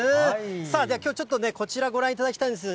あ、じゃあきょう、ちょっとね、こちらご覧いただきたいんです。